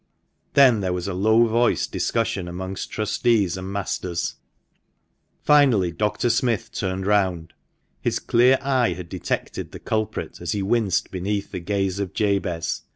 Then there was a low voiced discussion amongst trustees and masters. Finally, Dr. Smith turned round. His clear eye had detected the culprit as he winced beneath the gaze of Jabez.